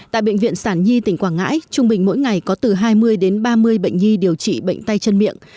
tại bệnh viện sản nhi tỉnh quảng ngãi trung bình mỗi ngày có từ hai mươi đến ba mươi bệnh nhi điều trị bệnh tay chân miệng